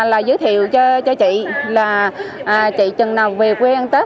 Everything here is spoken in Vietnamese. là giới thiệu cho chị là chị chừng nào về quê ăn tết